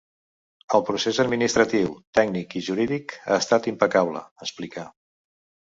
El procés administratiu tècnic i jurídic ha estat impecable, explica.